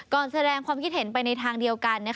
แสดงความคิดเห็นไปในทางเดียวกัน